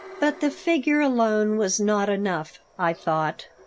But the figure alone was not enough, I thought.